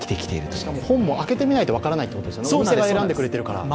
しかも、本も開けてみないと分からないということですよね、選んでくれているから。